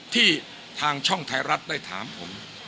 ที่ทางช่องไทยรัฐได้ถามผม